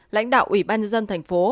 lãnh đạo ủy ban dân tp